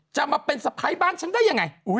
จะมาเป็นสะพ้ายบ้านฉันได้ยังไง